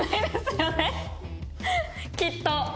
きっと。